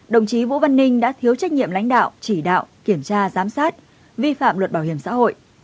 đồng chí vũ văn ninh đã thiếu trách nhiệm lãnh đạo chỉ đạo kiểm tra giám sát vi phạm luật bảo hiểm xã hội